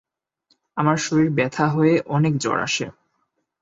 আমার শরীর ব্যথা হয়ে অনেক জ্বর আসে।